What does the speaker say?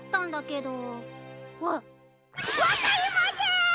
わわかりません！